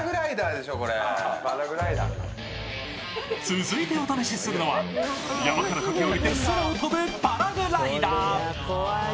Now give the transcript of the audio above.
続いてお試しするのは山から駆け下りて空を飛ぶパラグライダー。